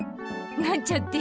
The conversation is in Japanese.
なんちゃって。